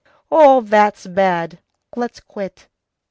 All that's bad. Let's quit."